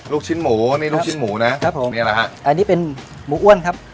ลูกชิ้นหมูนี่ลูกชิ้นหมูนะนี่อะไรฮะอันนี้เป็นหมูอ้วนครับ